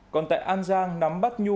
còn tại an giang nắm bắt nhu